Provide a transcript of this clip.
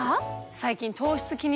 最近。